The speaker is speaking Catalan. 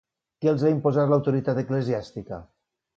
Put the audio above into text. Què els va imposar l'autoritat eclesiàstica?